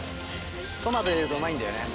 トマト入れるとうまいんだよね。